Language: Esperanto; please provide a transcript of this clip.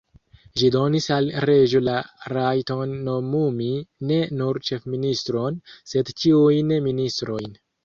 Ĝi donis al reĝo la rajton nomumi ne nur ĉefministron, sed ĉiujn ministrojn.